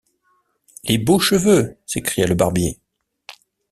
Les beaux cheveux! s’écria le barbier.